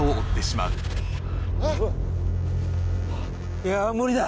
いやぁ無理だ。